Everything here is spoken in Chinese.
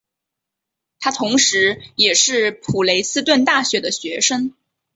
他同时也是普雷斯顿大学的学生。